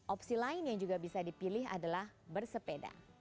opsi lain yang juga bisa dipilih adalah bersepeda